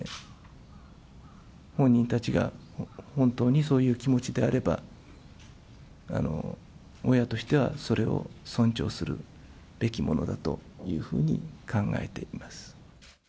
本人たちが、本当にそういう気持ちであれば、親としてはそれを尊重するべきものだというふうに考えています。